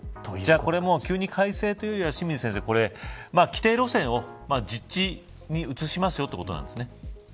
これも急に改正というよりは規定路線を実地に移しますよということなんですね。